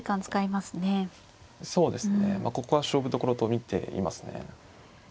まあここは勝負どころと見ていますね。